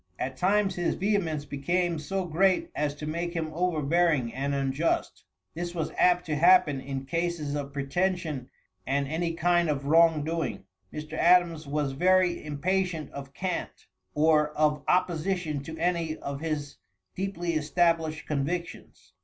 "At times his vehemence became so great as to make him overbearing and unjust. This was apt to happen in cases of pretension and any kind of wrong doing. Mr. Adams was very impatient of cant, or of opposition to any of his deeply established convictions.